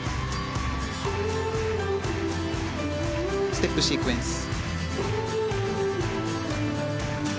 ステップシークエンス。